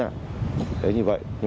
rất khó khăn tiếp cận được